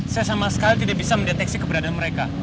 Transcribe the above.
saya sama sekali tidak bisa mendeteksi keberadaan mereka